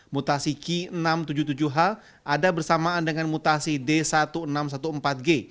mutasi ki enam ratus tujuh puluh tujuh h ada bersamaan dengan mutasi d seribu enam ratus empat belas g